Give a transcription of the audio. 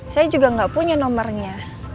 saya juga gak punya nomernya